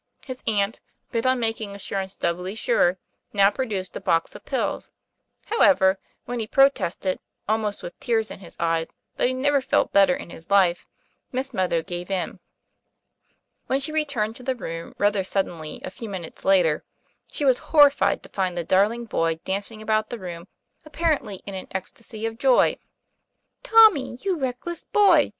His aunt, bent on making assur ance doubly sure, now produced a box of pills; however, when he protested, almost with tears in his eyes, that he never felt better in his life, Miss Meadow gave in. When she returned to the room rather suddenly, a few minutes later, she was horrified to find the dar ling boy dancing about the room, apparently in an ecstasy of joy. Tommy ! you reckless boy